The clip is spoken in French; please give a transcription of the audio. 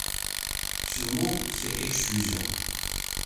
Ce mot, c’est exclusion.